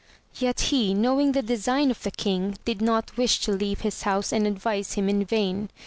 Yet he knowing the design of the king, did not wish to leave his house, and advise him in vain.